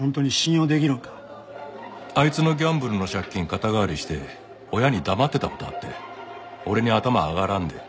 あいつのギャンブルの借金肩代わりして親に黙ってた事あって俺に頭上がらんで。